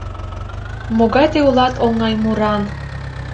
Могай тый улат оҥай муран.